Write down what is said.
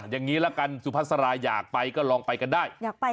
อย่างนี้ละกันสุภาษาอยากไปก็ลองไปกันได้